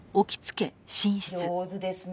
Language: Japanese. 上手ですね。